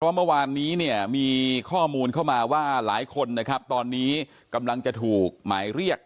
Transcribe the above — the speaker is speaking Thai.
เพราะว่ามันวานนี้มีข้อมูลเข้ามาว่าหลายคนตอนนี้กำลังจะถูกหมายเรียก